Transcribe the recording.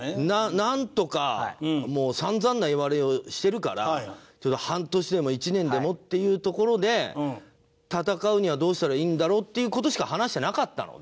なんとかもう散々な言われようしてるから半年でも１年でもっていうところで戦うにはどうしたらいいんだろうっていう事しか話してなかったので。